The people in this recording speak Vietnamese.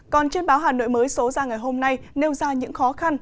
còn trên báo hà nội mới số ra ngày hôm nay nêu ra những khó khăn